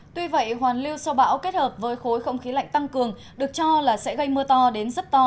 tuy vậy hoàn lưu sau bão kết hợp với khối không khí lạnh tăng cường được cho là sẽ gây mưa to đến rất to